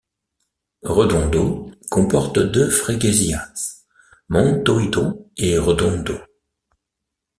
Redondo comporte deux freguesias: Montoito et Redondo.